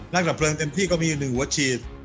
ดับเพลิงเต็มที่ก็มี๑หัวฉีด